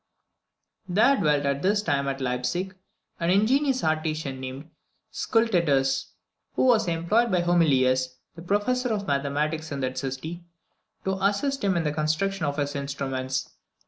There dwelt at this time at Leipsic an ingenious artisan named Scultetus, who was employed by Homelius, the professor of mathematics in that city, to assist him in the construction of his instruments.